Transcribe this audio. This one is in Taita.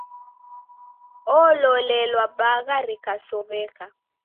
Ololelwa bagha rikasow'eka.